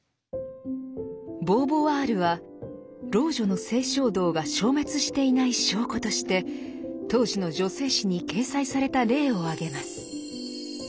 ボーヴォワールは老女の性衝動が消滅していない証拠として当時の女性誌に掲載された例を挙げます。